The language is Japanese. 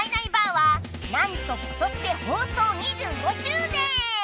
はなんとことしで放送２５周年！